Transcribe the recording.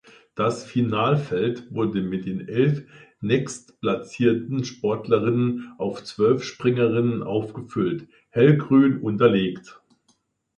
Das Finalfeld wurde mit den elf nächstplatzierten Sportlerinnen auf zwölf Springerinnen aufgefüllt (hellgrün unterlegt).